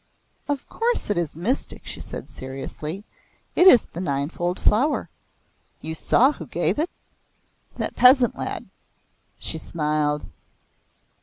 "Of course it is mystic," she said seriously. "It is the Ninefold Flower. You saw who gave it?" "That peasant lad." She smiled.